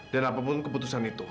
dan apapun keputusan itu